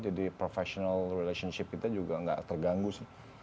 jadi hubungan profesional kita juga enggak terganggu sih